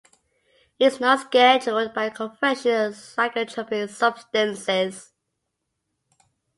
It is not scheduled by Convention on Psychotropic Substances.